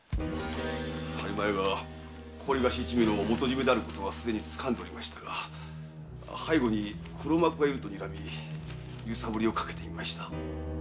播磨屋が高利貸し一味の元締めであることは掴んでおりましたが背後に黒幕がいると睨み揺さぶりをかけてみました。